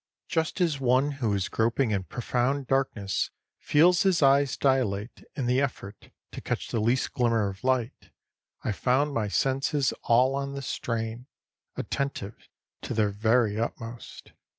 Just as one who is groping in profound darkness feels his eyes dilate in the effort to catch the least glimmer of light, I found my senses all on the strain, attentive to their very utmost.